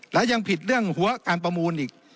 และยังผิดเรื่องหัวการประมูลอีก